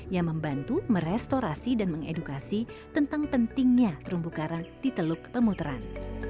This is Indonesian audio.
yang membantu merestorasi dan mengedukasi tentang pentingnya terumbu karang di teluk pemutaran